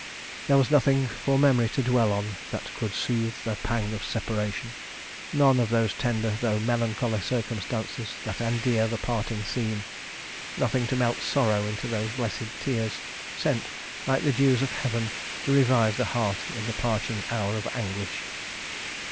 There was nothing for memory to dwell on that could soothe the pang of separation none of those tender, though melancholy circumstances, that endear the parting scene nothing to melt sorrow into those blessed tears, sent, like the dews of heaven, to revive the heart in the parching hour of anguish.